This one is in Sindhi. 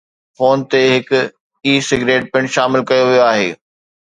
فون تي هڪ "اي سگريٽ" پڻ شامل ڪيو ويو آهي